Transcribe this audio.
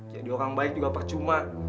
jadi orang baik juga percuma